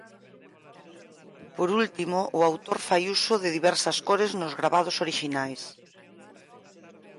Por último, o autor fai uso de diversas cores nos gravados orixinais.